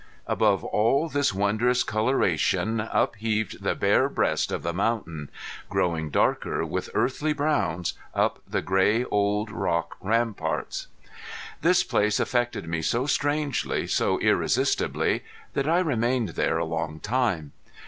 Above all this wondrous coloration upheaved the bare breast of the mountain, growing darker with earthy browns, up to the gray old rock ramparts. This place affected me so strangely, so irresistibly that I remained there a long time.